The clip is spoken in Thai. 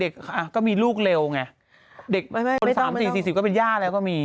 ก็มีย่าแล้วก็มี